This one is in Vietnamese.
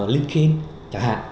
linkedin chẳng hạn